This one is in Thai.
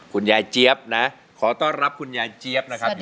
เจี๊ยบนะขอต้อนรับคุณยายเจี๊ยบนะครับ